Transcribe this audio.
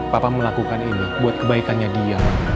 papa melakukan ini buat kebaikannya dia